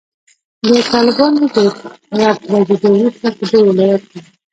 د طالبانو د راپرزیدو وروسته پدې ولایت کې